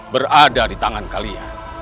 berada di tangan kalian